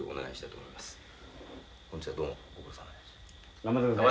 頑張ってください。